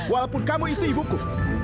walaupun kamu itu ibuku